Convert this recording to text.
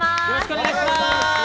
よろしくお願いします。